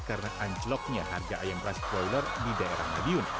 karena ancloknya harga ayam praspoiler di daerah madiun